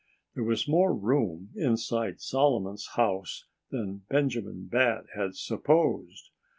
There was more room inside Solomon's house than Benjamin Bat had supposed.